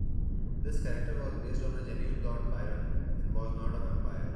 This character was based on the genuine Lord Byron and was not a vampire.